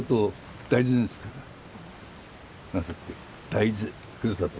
大事ふるさと。